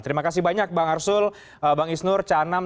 terima kasih banyak bang arsul bang isnur canam